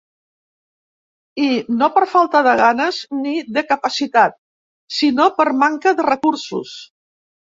I, no per falta de ganes ni de capacitat, sinó per manca de recursos.